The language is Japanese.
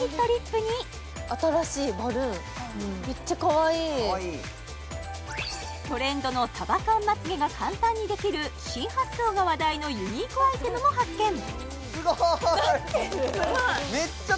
かわいいトレンドの束感まつ毛が簡単にできる新発想が話題のユニークアイテムも発見・なってる！